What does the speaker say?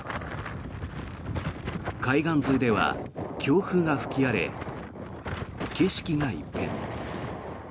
海岸沿いでは強風が吹き荒れ景色が一変。